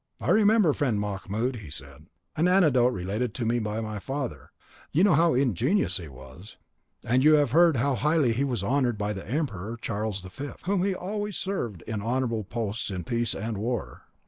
"I remember, friend Mahmoud," he said, "an anecdote related to me by my father; you know how ingenious he was, and you have heard how highly he was honoured by the emperor, Charles V., whom he always served in honourable posts in peace and war.